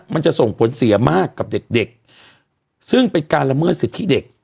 มันจะส่งผลเสียมากกับเด็กเด็กซึ่งเป็นการละเมิดสิทธิเด็ก